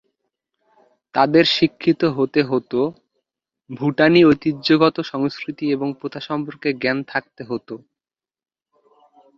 তাদের শিক্ষিত হতে হোত, ভুটানি ঐতিহ্যগত সংস্কৃতি এবং প্রথা সম্পর্কে জ্ঞান থাকতে হোত।